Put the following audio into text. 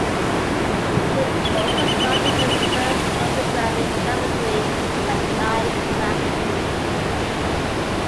She also started the first photography laboratory at "Life" magazine.